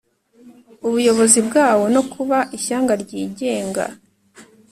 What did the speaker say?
ubuyobozi bwawo no kuba ishyanga ryigenga